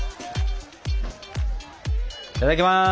いただきます！